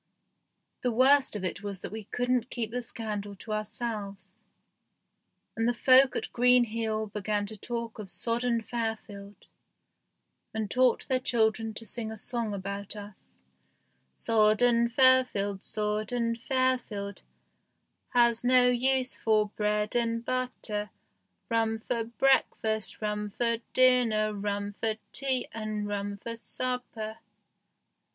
The worst of it was that we couldn't keep the scandal to ourselves, and the folk at Greenhill began to talk of " sodden Fairfield " and taught their children to sing a song about us : 1 ' Sodden Fairfield, sodden Fairfield, has no use for bread and butter, Rum for breakfast, rum for dinner, rum for tea, and rum for supper